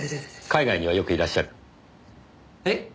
海外にはよくいらっしゃる？え？